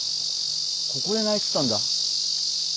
ここで鳴いてたんだ。